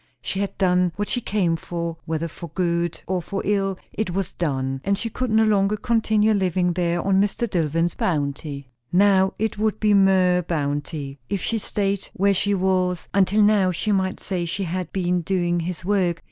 She had done what she came for, whether for good or for ill. It was done; and she could no longer continue living there on Mr. Dillwyn's bounty. Now it would be mere bounty, if she stayed where she was; until now she might say she had been doing his work.